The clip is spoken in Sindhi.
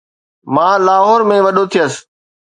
مان لاهور ۾ وڏو ٿيس